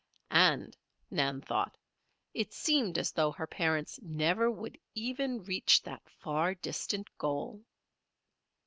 And, Nan thought, it seemed as though her parents never would even reach that far distant goal.